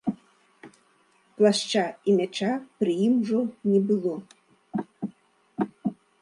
Плашча і мяча пры ім ужо не было.